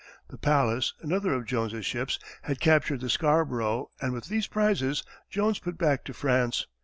The Pallas, another of Jones's ships, had captured the Scarborough, and with these prizes, Jones put back to France.